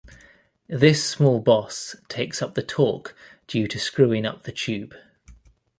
This small boss takes up the torque due to screwing up the tube.